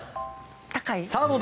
高い？